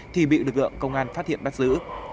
thì bị lực lượng công an phát hiện bắt giữ